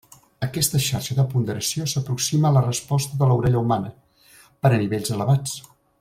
Aquesta xarxa de ponderació s'aproxima a la resposta de l'orella humana per a nivells elevats.